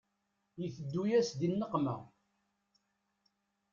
Iteddu-yas di nneqma.